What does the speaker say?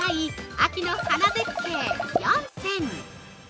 秋の花絶景４選。